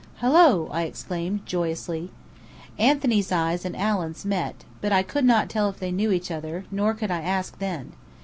"Hullo!" I exclaimed, joyously. Anthony's eyes and Allen's met; but I could not tell if they knew each other, nor could I ask then.